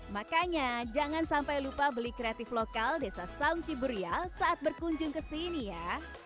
makanya jangan sampai lupa beli kreatif lokal desa saung ciburial saat berkunjung ke sini ya